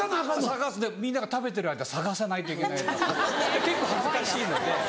捜すみんなが食べてる間捜さないといけない結構恥ずかしいので。